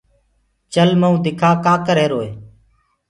چل مئو دکآ ڪآ ڪريهروئي